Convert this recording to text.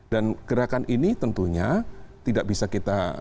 dan gerakan ini tentunya tidak bisa kita